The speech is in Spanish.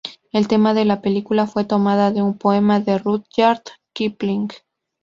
El tema de la película fue tomado de un poema de Rudyard Kipling.